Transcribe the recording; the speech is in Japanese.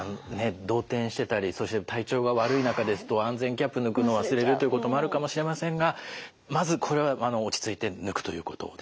動転してたりそして体調が悪い中で安全キャップ抜くのを忘れるということもあるかもしれませんがまずこれ落ち着いて抜くということですね。